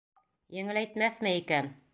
Еңеләйтмәҫме икән?